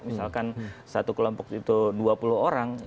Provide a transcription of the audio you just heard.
misalkan satu kelompok itu dua puluh orang